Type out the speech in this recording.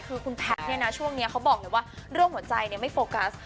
คือคุณแพทย์เนี่ยนะช่วงนี้เขาบอกเลยว่าเรื่องหัวใจไม่โฟกัส